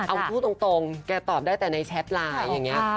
เอาพูดตรงแกตอบได้แต่ในแชทไลน์อย่างนี้